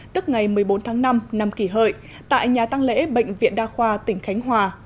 tức ngày một mươi bốn tháng năm năm kỷ hợi tại nhà tăng lễ bệnh viện đa khoa tỉnh khánh hòa